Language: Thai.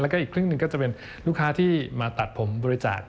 แล้วก็อีกครึ่งหนึ่งก็จะเป็นลูกค้าที่มาตัดผมบริจาค